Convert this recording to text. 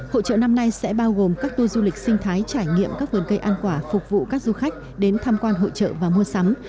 hội trợ năm nay sẽ bao gồm các tour du lịch sinh thái trải nghiệm các vườn cây ăn quả phục vụ các du khách đến tham quan hội trợ và mua sắm